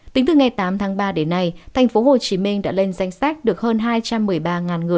tính từ ngày tám tháng ba đến nay tp hcm đã lên danh sách được hơn hai trăm một mươi ba người